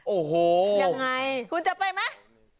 โอ้โหคุณจะไปไหมยังไง